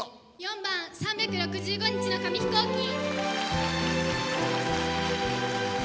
４番「３６５日の紙飛行機」。